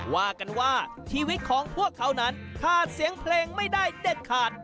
ว่ากันว่าชีวิตของพวกเขานั้นขาดเสียงเพลงไม่ได้เด็ดขาด